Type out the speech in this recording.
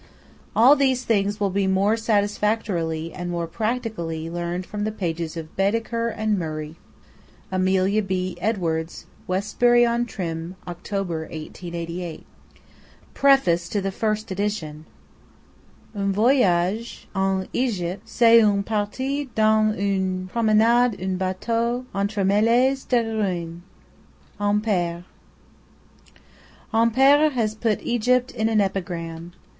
All these things will be more satisfactorily, and more practically, learned from the pages of Baedeker and Murray. AMELIA B. EDWARDS. WESTBURY ON TRYM, October 1888. PREFACE TO THE FIRST EDITION. "Un voyage en Égypte, c'est une partie d'ânes et une promenade en bateau entremêlées de ruines." – AMPÈRE. AMPÈRE has put Egypt in an epigram.